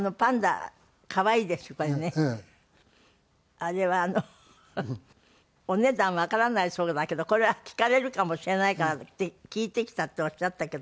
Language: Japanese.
あれはお値段わからないそうだけどこれは聞かれるかもしれないから聞いてきたっておっしゃったけど。